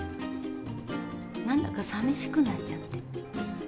何だかさみしくなっちゃって。